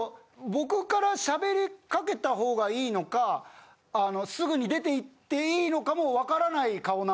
僕から喋りかけた方がいいのかすぐに出ていっていいのかも分からない顔なんすよ。